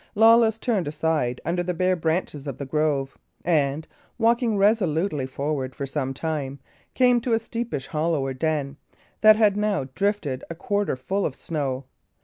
Lawless turned aside under the bare branches of the grove, and, walking resolutely forward for some time, came to a steepish hollow or den, that had now drifted a quarter full of snow.